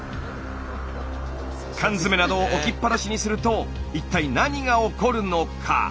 缶詰などを置きっぱなしにすると一体何が起こるのか。